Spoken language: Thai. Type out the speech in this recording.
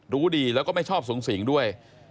รู้ดีแล้วก็ไม่ชอบสูงสิงด้วย